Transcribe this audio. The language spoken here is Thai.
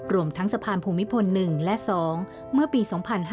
รวมทั้งสะพานภูมิพล๑และ๒เมื่อปี๒๕๕๙